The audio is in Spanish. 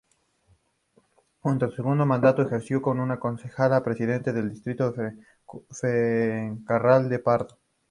Durante su segundo mandato ejerció como concejala presidenta del distrito de Fuencarral-El Pardo.